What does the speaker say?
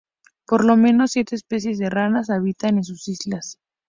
Por lo menos siete especies de ranas habitan en sus islas.